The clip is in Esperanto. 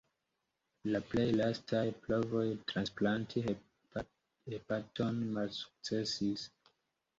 La plej lastaj provoj transplanti hepaton malsukcesis.